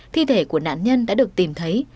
thi thể của nạn nhân đã được tìm thấy